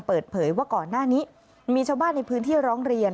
เปิดเผยว่าก่อนหน้านี้มีชาวบ้านในพื้นที่ร้องเรียน